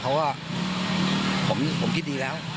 เพราะว่าผมคิดดีแล้ว